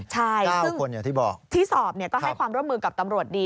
ใช่ซึ่งที่สอบก็ให้ความร่วมมือกับตำรวจดี